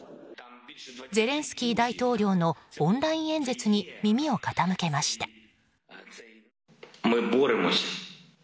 ゼレンスキー大統領のオンライン演説に耳を傾けました。